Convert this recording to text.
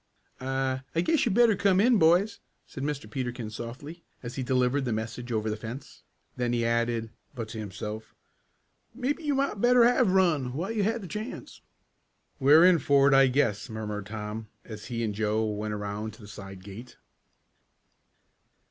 "I I guess you'd better come in, boys," said Mr. Peterkin softly, as he delivered the message over the fence. Then he added but to himself "Maybe you might better have run while you had the chance." "We're in for it I guess," murmured Tom, as he and Joe went around to the side gate.